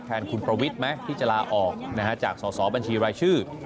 คุณประวิทย์ไหมที่จะลาออกจากสอสอบัญชีรายชื่อ